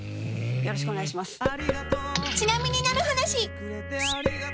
よろしくお願いします。